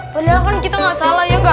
padeng kan kita gak salah ya gak